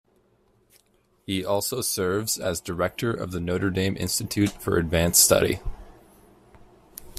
He also serves as Director of the Notre Dame Institute for Advanced Study.